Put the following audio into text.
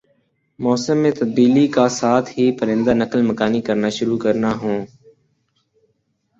موسم میں تبدیلی کا ساتھ ہی پرندہ نقل مکانی کرنا شروع کرنا ہون